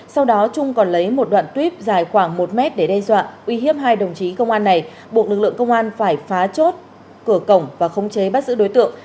sau đó trung còn lấy một đoạn tuyếp dài khoảng một mét để đe dọa uy hiếp hai đồng chí công an này buộc lực lượng công an phải phá chốt cửa cổng và khống chế bắt giữ đối tượng